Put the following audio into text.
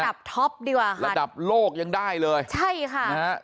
บทท็อปดีกว่าค่ะระดับโลกยังได้เลยใช่ค่ะนะฮะ